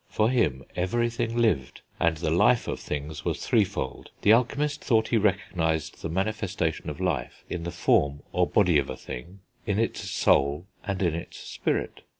For him, everything lived, and the life of things was threefold. The alchemist thought he recognised the manifestation of life in the form, or body, of a thing, in its soul, and in its spirit.